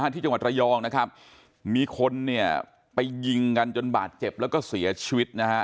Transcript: ที่จังหวัดระยองนะครับมีคนเนี่ยไปยิงกันจนบาดเจ็บแล้วก็เสียชีวิตนะฮะ